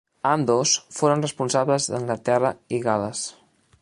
Ambdós foren responsables d'Anglaterra i Gal·les.